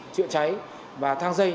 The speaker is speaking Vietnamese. chữa cháy và thang dây